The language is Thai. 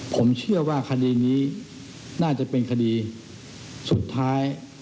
ผมเชื่อว่าคดีนี้น่าจะเป็นคดีสุดท้าย